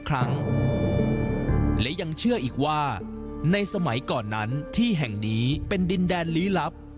ครั้งและยังเชื่ออีกว่าในสมัยก่อนนั้นที่แห่งนี้เป็นดินแดนลี้ลับ